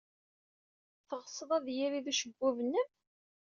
Teɣsed ad yirid ucebbub-nnem?